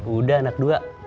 udah anak dua